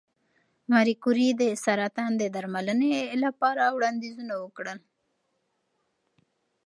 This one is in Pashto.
ماري کوري د سرطان د درملنې لپاره وړاندیزونه وکړل.